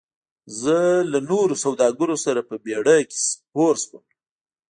زه له نورو سوداګرو سره په بیړۍ کې سپار شوم.